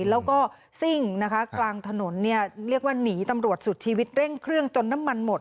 แล้วก็ซิ่งนะคะกลางถนนเนี่ยเรียกว่าหนีตำรวจสุดชีวิตเร่งเครื่องจนน้ำมันหมด